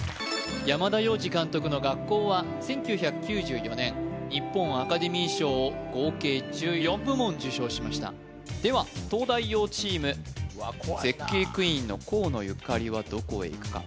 山田洋次監督の「学校」は１９９４年日本アカデミー賞を合計１４部門受賞しましたでは東大王チーム絶景クイーンの河野ゆかりはどこへいくか？